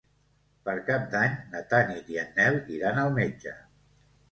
Per Cap d'Any na Tanit i en Nel iran al metge.